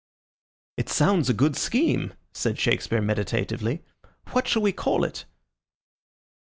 "It sounds like a good scheme," said Shakespeare, meditatively. "What shall we call it?"